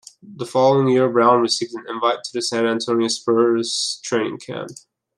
The following year Brown received an invite to the San Antonio Spurs' training camp.